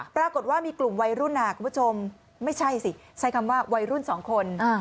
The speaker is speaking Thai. ปรากฏว่ามีกลุ่มวัยรุ่นคุณผู้ชมไม่ใช่สิใช้คำว่าวัยรุ่นสองคน